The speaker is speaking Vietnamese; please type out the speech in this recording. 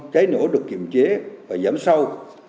kế nổ được kiềm chế và giảm sâu